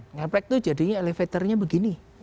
ngeplek itu jadinya elevatornya begini